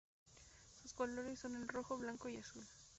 Sus colores son el rojo, blanco y azul.